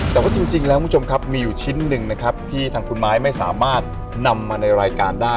แต่ว่าจริงแล้วคุณผู้ชมครับมีอยู่ชิ้นหนึ่งนะครับที่ทางคุณไม้ไม่สามารถนำมาในรายการได้